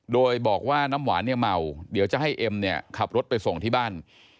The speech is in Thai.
โดยบอกว่าน้ำหวานเมาเดี๋ยวจะให้เอมขับรถไปส่งที่บ้าน